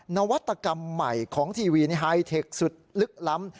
นวัตกรรมใหม่ของทีวีไฮเทคสุดลึกล้ำ